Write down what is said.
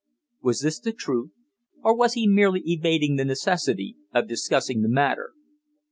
Was this the truth? Or was he merely evading the necessity of discussing the matter?